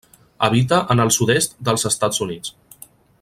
Habita en el sud-est dels Estats Units.